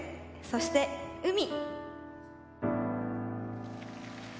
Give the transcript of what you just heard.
そして「海」。